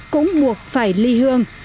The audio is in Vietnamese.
cũng muộc phải ly hương